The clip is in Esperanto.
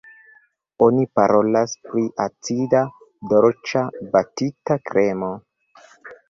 Oni parolas pri acida, dolĉa, batita kremo.